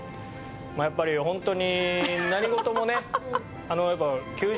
やっぱりホントに。